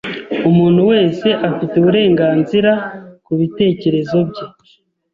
Umuntu wese afite uburenganzira kubitekerezo bye